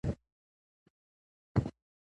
تورم د پیسو ارزښت کموي.